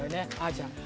あちゃん。